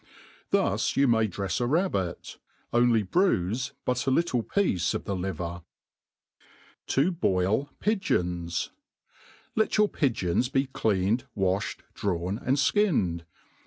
, 'I'hus.you may drefs a rabbit, only bruife but a little piece of the liver. « To boil Pigeons* LtiT your pigeons be cleaned, wafhed, drawn, and flcinned.